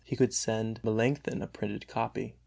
he could send Melanchthon a printed copy.